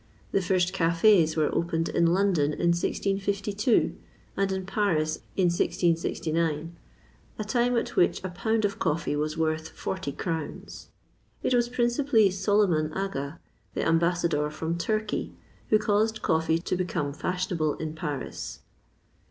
The first cafés were opened in London in 1652, and in Paris in 1669, a time at which a pound of coffee was worth forty crowns. It was principally Soliman Aga, the ambassador from Turkey, who caused coffee to become fashionable in Paris.